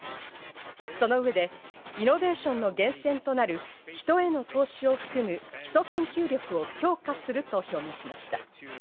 その上で、イノベーションの源泉となる、人への投資を含む基礎研究力を強化すると表明しました。